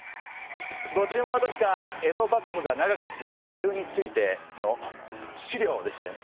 ご注文は確か「江戸幕府が長く続いた理由について」の資料でしたよね。